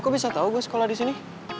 kok bisa tau gue sekolah di sini